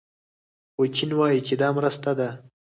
خو چین وايي چې دا مرسته ده.